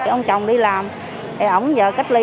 ông chồng đi làm ổng giờ cách ly